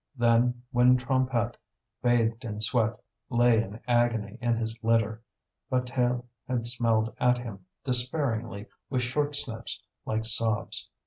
Then, when Trompette, bathed in sweat, lay in agony in his litter, Bataille had smelled at him despairingly with short sniffs like sobs.